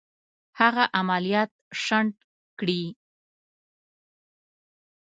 هغه عملیات شنډ کړي.